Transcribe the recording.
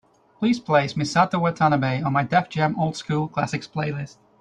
Please place Misato Watanabe onto my Def Jam Old School Classics playlist.